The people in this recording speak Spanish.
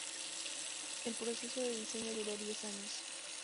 El proceso de diseño duró diez años.